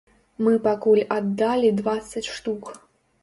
Мы пакуль аддалі дваццаць штук.